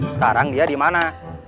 sekarang dia di mana